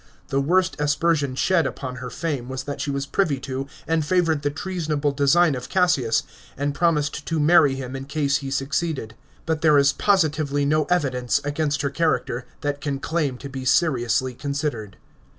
The worst a. persion shed upon her fame was that she was privy to and favoured the treasonable design of Cassius, and promised to marry him in case he succeeded. But there is positively no evidence against her character, that can claim to be seriously considered.